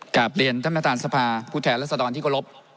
กลับเรียนท่านประธานสภาผู้แทนรัศดรที่เคารพ